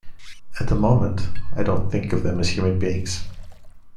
At the moment, I don't think of them as human beings.